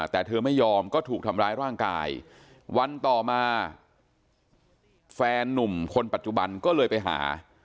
แต่เธอไม่ยอมก็ถูกทำร้ายร่างกายวันต่อมาแฟนนุ่มคนปัจจุบันก็เลยไปหา